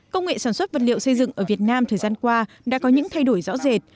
công nghệ sản xuất vật liệu xây dựng ở việt nam thời gian qua đã có những thay đổi rõ rệt